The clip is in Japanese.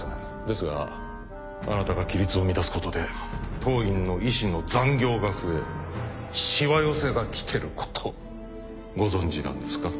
ですがあなたが規律を乱すことで当院の医師の残業が増えしわ寄せが来てることをご存じなんですか？